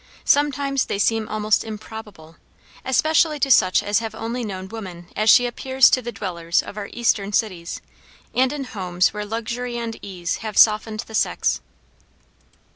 Sometimes they seem almost improbable, especially to such as have only known Woman as she appears to the dwellers of our eastern cities, and in homes where luxury and ease have softened the sex.